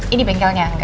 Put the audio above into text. ini bengkelnya angga